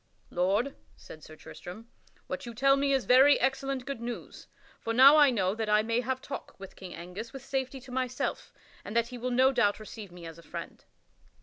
"Lord," said Sir Tristram, "what you tell me is very excellent good news, for now I know that I may have talk with King Angus with safety to myself, and that he will no doubt receive me as a friend."